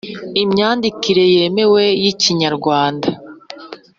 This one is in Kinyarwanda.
Imyandikire yemewe yi kinyarwanda